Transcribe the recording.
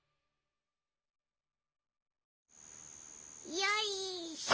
よいしょ。